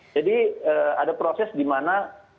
jadi ada proses di mana